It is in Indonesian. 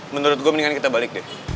menurut gue mendingan kita balik deh